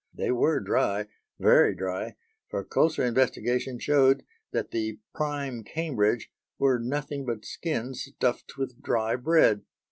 They were dry, very dry, for closer investigation showed that the "prime Cambridge" were nothing but skins stuffed with dry bread!